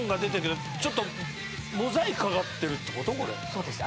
そうです。